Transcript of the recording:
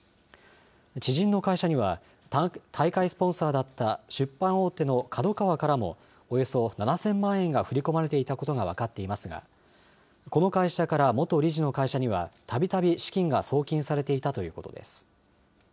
知人の会社には、大会スポンサーだった出版大手のＫＡＤＯＫＡＷＡからも、およそ７０００万円が振り込まれていたことが分かっていますが、この会社から元理事の会社には、たびたび資金が送金されていたということです。